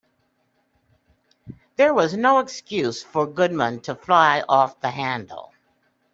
There was no excuse for Goodman to fly off the handle.